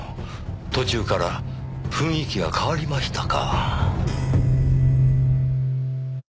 途中から雰囲気が変わりましたか。